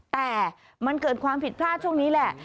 แต่มันเกิดความผิดพลาดช่วงนี้แหละ